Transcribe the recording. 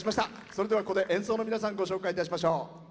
それではここで演奏の皆さんご紹介いたしましょう。